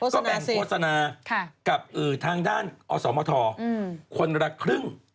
ก็แบ่งโฆษณากับทางด้านอสมทคนละครึ่ง